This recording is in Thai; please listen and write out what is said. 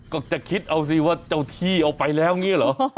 ก็จะคิดเอาสิว่าเจ้าที่เอาไปแล้วอย่างนี้เหรอ